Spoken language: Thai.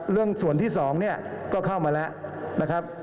เรื่องส่วนที่๒เนี่ยก็เข้ามาแล้วนะครับ